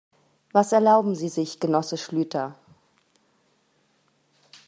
Was erlauben Sie sich, Genosse Schlüter?